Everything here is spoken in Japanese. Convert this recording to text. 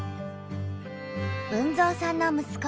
豊造さんの息子